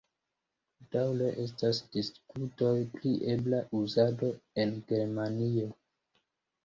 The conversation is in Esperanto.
Daŭre estas diskutoj pri ebla uzado en Germanio.